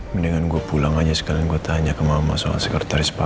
mendingan gue pulang aja sekali gue tanya ke mama soal sekretaris papa